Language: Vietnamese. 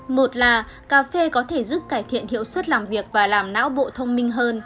một là cà phê có thể giúp cải thiện hiệu suất làm việc và làm não bộ thông minh hơn